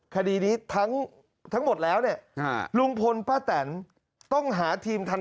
คดีนี้ทั้งหมดแล้วเนี่ยลุงพลป้าแตนต้องหาทีมทัน